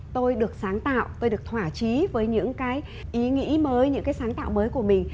tôi được sáng tạo tôi được thỏa trí với những cái ý nghĩ mới những cái sáng tạo mới của mình